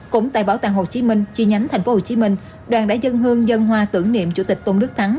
cũng tại bảo tàng hồ chí minh chi nhánh tp hcm đoàn đã dân hương dân hoa tưởng niệm chủ tịch tôn đức thắng